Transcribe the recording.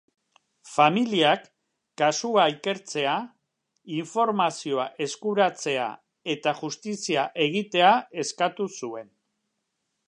Familiak kasua ikertzea, informazioa eskuratzea eta justizia egitea eskatu zuen.